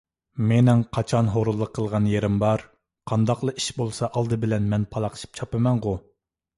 مېنىڭ قاچان ھۇرۇنلۇق قىلغان يېرىم بار؟ قانداقلا ئىش بولسا ئالدى بىلەن مەن پالاقشىپ چاپىمەنغۇ!